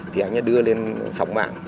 thì anh ấy đưa lên sóng mạng